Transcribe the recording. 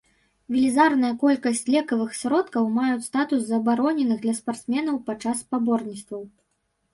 Велізарная колькасць лекавых сродкаў маюць статус забароненых для спартсменаў падчас спаборніцтваў.